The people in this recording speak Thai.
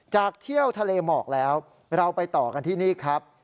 เที่ยวทะเลหมอกแล้วเราไปต่อกันที่นี่ครับ